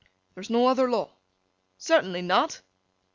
'There's no other law?' 'Certainly not.